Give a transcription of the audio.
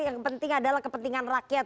yang penting adalah kepentingan rakyat